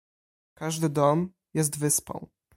"Każdy dom jest wyspą."